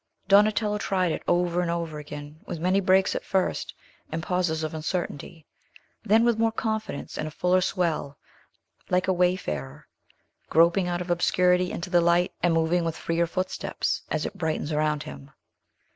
Donatello tried it, over and over again, with many breaks, at first, and pauses of uncertainty; then with more confidence, and a fuller swell, like a wayfarer groping out of obscurity into the light, and moving with freer footsteps as it brightens around him.